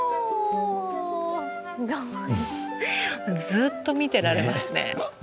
ずっと見てられますね。